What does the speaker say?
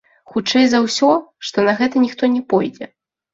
Хутчэй за ўсё, што на гэта ніхто не пойдзе.